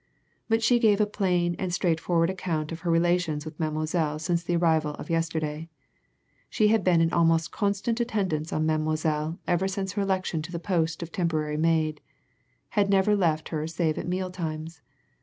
But she gave a plain and straightforward account of her relations with Mademoiselle since the arrival of yesterday. She had been in almost constant attendance on Mademoiselle ever since her election to the post of temporary maid had never left her save at meal times.